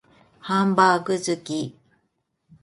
ハンバーグ好き